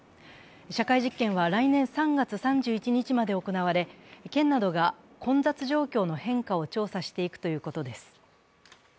社会実験は来年３月３１日まで行われ、県などが混雑状況の変化を調査していくということです。